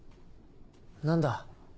何だ？